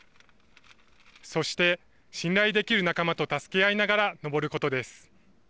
そして信頼できる仲間と助け合いながら登ることです。